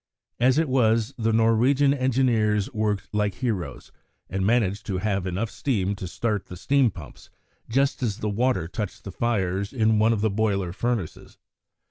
As it was, the Norwegian engineers worked like heroes, and managed to have enough steam to start the steam pumps just as the water touched the fires in one of the boiler furnaces.